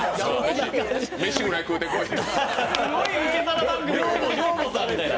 飯ぐらい食うてこいと。